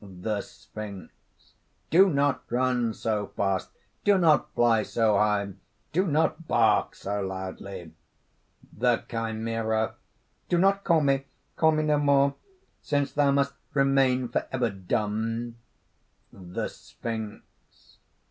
THE SPHINX. "Do not run so fast, do not fly so high, do not bark so loudly!" THE CHIMERA. "DO not call me! call me no more; since thou must remain forever dumb." THE SPHINX.